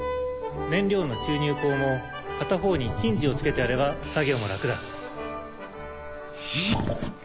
燃料の注入孔も片方にヒンジを付けてやれば作業も楽だ。